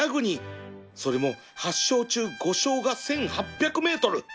それも８勝中５勝が １，８００ｍ